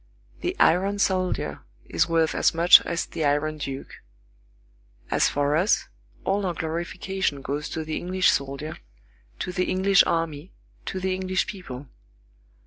The iron soldier is worth as much as the Iron Duke. As for us, all our glorification goes to the English soldier, to the English army, to the English people.